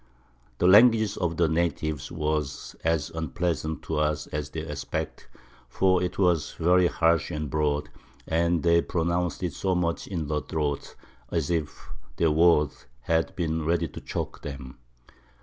The Language of the Natives was as unpleasant to us as their Aspect, for it was very harsh and broad, and they pronounc'd it so much in the Throat, as if their Words had been ready to choak them.